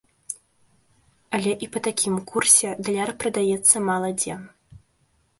Але і па такім курсе даляр прадаецца мала дзе.